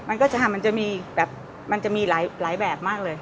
มันก็จะมันจะมีแบบมันจะมีหลายแบบมากเลย